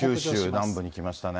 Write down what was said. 九州南部に来ましたね。